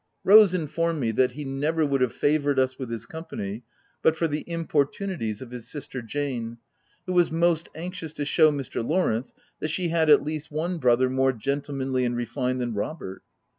Rose informed me that he never w T ould have favoured us with his company, but for the im portunities of his sister Jane, who was most anxious to show Mr. Lawrence that she had at least one brother more gentlemanly and refined than Robert.